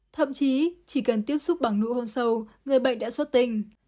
thậm chí chỉ cần tiếp xúc bằng nụ hôn sâu người bệnh đã sốt tinh